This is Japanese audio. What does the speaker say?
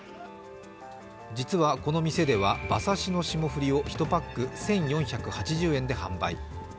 実はこの店では馬刺しの霜降り肉を１パック１４８０円で販売。